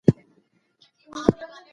مرغۍ وېرېده چې ماشومان به یې په تیږو وولي.